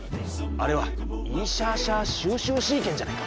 あれはイーシャーシャーシューシューシー拳じゃないか？